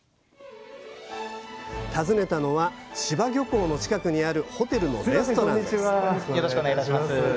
訪ねたのは柴漁港の近くにあるホテルのレストランです